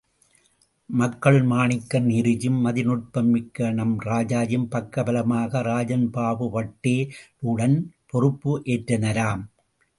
மக்களுள் மாணிக்கம் நேருஜியும் மதிநுட்பம் மிக்கநம் ராஜாஜியும் பக்க பலமாக ராஜன்பாபு பட்டே லுடன்பொறுப் பேற்றனராம்.